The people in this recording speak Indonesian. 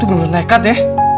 lo tuh bener bener nekat ya